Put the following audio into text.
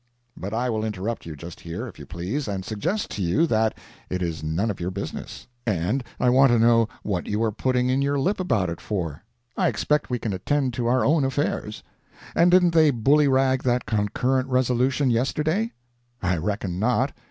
But I will interrupt you just here, if you please, and suggest to you that it is none of your business, and I want to know what you are putting in your lip about it for? I expect we can attend to our own affairs. And didn't they bullyrag that concurrent resolution yesterday? I reckon not.